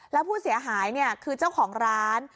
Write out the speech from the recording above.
แล้วผู้เสียหายคือเจ้าของร้าน